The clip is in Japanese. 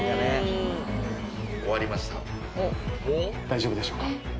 大丈夫でしょうか？